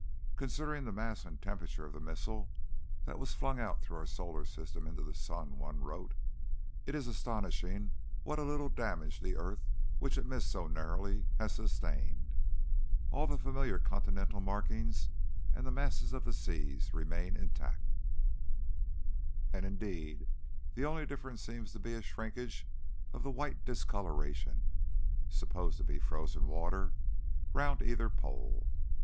"Considering the mass and temperature of the missile that was flung through our solar system into the sun," one wrote, "it is astonishing what a little damage the earth, which it missed so narrowly, has sustained. All the familiar continental markings and the masses of the seas remain intact, and indeed the only difference seems to be a shrinkage of the white discolouration (supposed to be frozen water) round either pole."